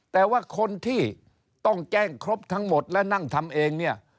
แต่ว่าคนที่ต้องแจ้งครบทั้งหมดและนั่งทำเองเนี่ย